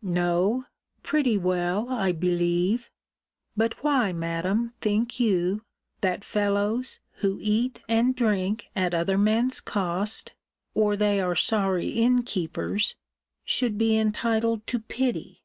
No; pretty well, I believe but why, Madam, think you, that fellows, who eat and drink at other men's cost, or they are sorry innkeepers, should be entitled to pity?